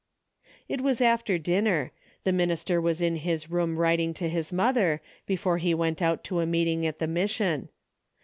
It was after dinner. The minister was in his room writing to his mother, before he went out to a meeting at the mission.